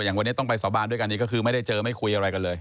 วันนี้ต้องไปสาบานด้วยกันนี้ก็คือไม่ได้เจอไม่คุยอะไรกันเลย